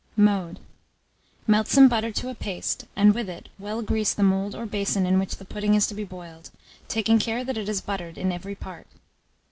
] Mode. Melt some butter to a paste, and with it, well grease the mould or basin in which the pudding is to be boiled, taking care that it is buttered in every part.